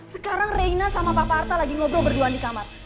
sekarang raina sama papa arta lagi ngobrol berdua di kamar